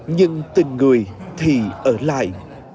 nhưng tình người thì ở lại